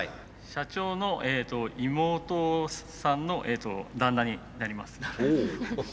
社長の妹さんの旦那になります。